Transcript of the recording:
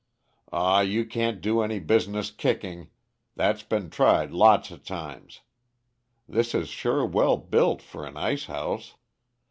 Aw, you can't do any business kicking that's been tried lots of times. This is sure well built, for an ice house.